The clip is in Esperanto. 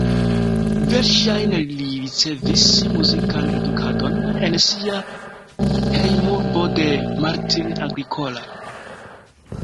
Verŝajne li ricevis muzikan edukadon en sia hejmurbo de Martin Agricola.